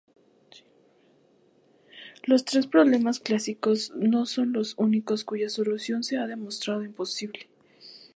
Los tres problemas clásicos no son los únicos cuya solución se ha demostrado imposible.